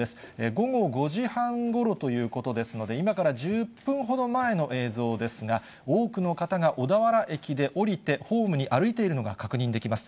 午後５時半ごろということですので、今から１０分ほど前の映像ですが、多くの方が小田原駅で降りて、ホームに歩いているのが確認できます。